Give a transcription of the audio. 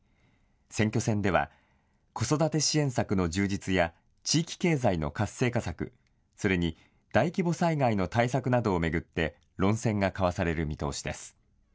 選挙戦では子育て支援策の充実や地域経済の活性化策、それに大規模災害の対策などを巡って論戦が交わされる見通しです。